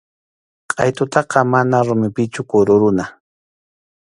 Qʼaytutaqa mana rumipichu kururana.